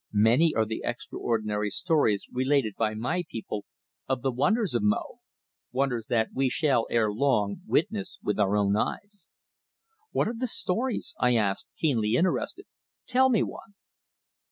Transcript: Many are the extraordinary stories related by my people of the wonders of Mo; wonders that we shall ere long witness with our own eyes." "What are the stories?" I asked, keenly interested. "Tell me one."